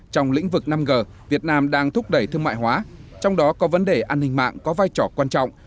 trong lĩnh vực năm g việt nam đang thúc đẩy thương mại hóa trong đó có vấn đề an ninh mạng có vai trò quan trọng